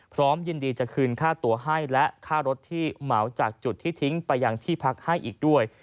พร้อมยินดีจะคืนค่าตัวให้และค่ารถที่เหมาจากจุดที่ทิ้งไปยังที่พักให้อีกด้วย